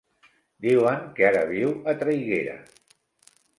Diuen que ara viu a Traiguera.